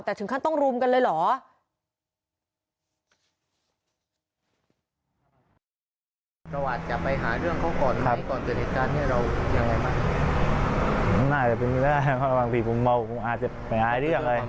แต่ถึงขั้นต้องรุมกันเลยเหรอ